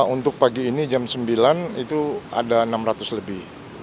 untuk pagi ini jam sembilan itu ada enam ratus lebih